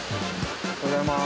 おはようございます。